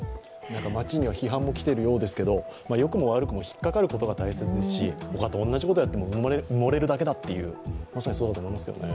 町には批判も来ているようですけど良くも悪くも引っかかることが大切ですし、ほかと同じ事やっても埋もれるだけだということだと思いますけどね。